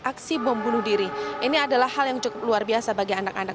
aksi bom bunuh diri ini adalah hal yang cukup luar biasa bagi anak anak